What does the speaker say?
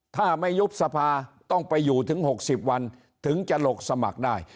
ถ้าไม่ยุบสภาต้องไปอยู่ถึง๖๐วันถึงจะหลบสมัครได้